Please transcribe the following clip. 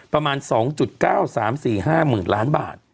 ประมาณ๒๙หรือ๓๔หรือ๕หมื่นล้านบาท